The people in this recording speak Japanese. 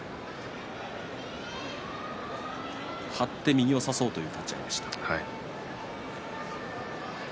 張って右を差そうという立ち合いでした。